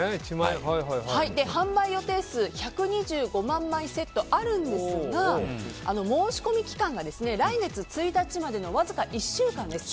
販売予定数１２５万セットあるんですが申し込み期間が来月１日までのわずか１週間です。